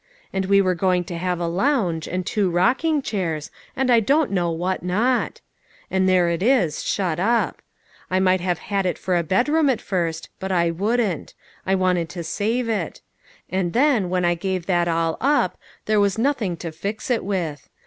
And we were going to have a lounge, and two rocking chairs, and I don't know what not. And there it is, shut up. I might have had it for a bedroom at first, but A. GREAT UNDERTAKING. 95 I wouldn't. I wanted to save it. And then, when I gave that all up, there was nothing to fix it with.